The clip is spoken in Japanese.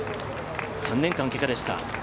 ３年間けがでした。